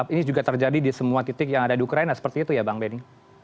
ini juga terjadi di semua titik yang ada di ukraina seperti itu ya bang benny